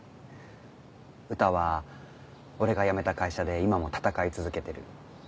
うたは俺が辞めた会社で今も闘い続けてる。